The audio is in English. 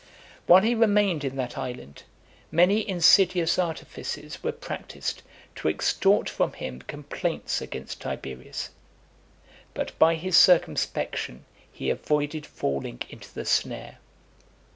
While he remained in that island, many insidious artifices were practised, to extort from him complaints against Tiberius, but by his circumspection he avoided falling into the snare .